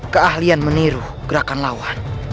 keahlian meniru gerakan lawan